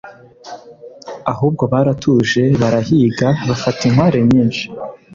ahubwo baratuje barahiga bafata inkware nyinshi